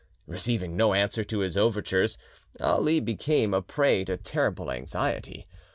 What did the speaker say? Receiving no answer to his overtures, Ali became a prey to terrible anxiety.